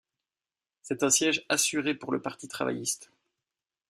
C'est un siège assuré pour le Parti travailliste.